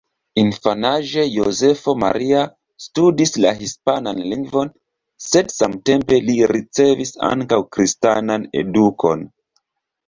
Infanaĝe Jozefo Maria studis la hispanan lingvon, sed samtempe li ricevis ankaŭ kristanan edukon.